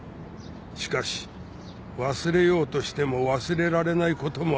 しかし忘れようとしても忘れられない事もある